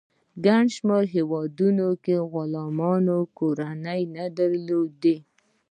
په ګڼ شمیر هیوادونو کې غلامانو کورنۍ نه درلودې.